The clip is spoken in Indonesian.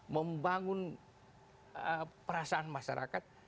membangun perasaan masyarakat